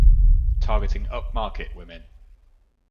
Targeting upmarket women.